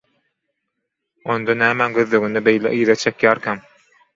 Onda nämäň gözleginde beýle yza çekýärkäm?